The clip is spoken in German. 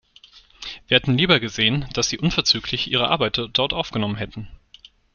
Wir hätten lieber gesehen, dass sie unverzüglich ihre Arbeit dort aufgenommen hätte.